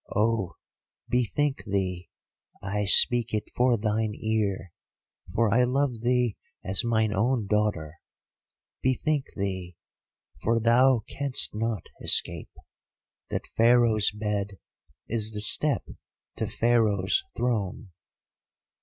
Oh, bethink thee—I speak it for thine ear, for I love thee as mine own daughter—bethink thee, for thou canst not escape, that Pharaoh's bed is the step to Pharaoh's throne.